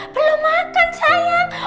belum makan sayang